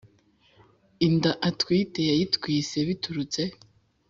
Inda atwite yayitwise biturutse